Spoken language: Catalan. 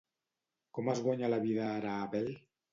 Com es guanya la vida ara Abel?